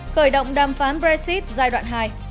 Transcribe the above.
khởi động đàm phán brexit giai đoạn hai